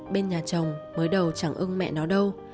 bên nhà chồng mới đầu chẳng ưng mẹ nó đâu